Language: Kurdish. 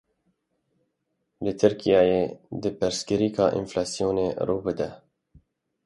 Li Tirkiyeyê dê pirsgirêka enflasyonê rû bide.